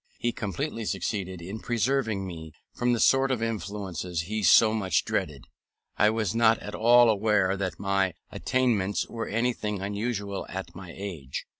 He completely succeeded in preserving me from the sort of influences he so much dreaded. I was not at all aware that my attainments were anything unusual at my age.